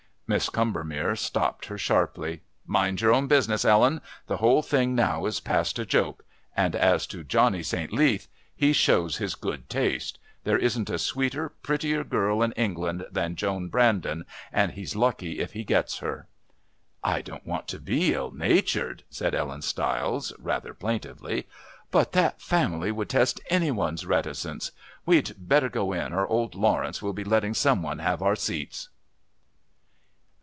Mrs. Combermere stopped her sharply "Mind your own business, Ellen. The whole thing now is past a joke. And as to Johnny St. Leath, he shows his good taste. There isn't a sweeter, prettier girl in England than Joan Brandon, and he's lucky if he gets her." "I don't want to be ill natured," said Ellen Stiles rather plaintively, "but that family would test anybody's reticence. We'd better go in or old Lawrence will be letting some one have our seats."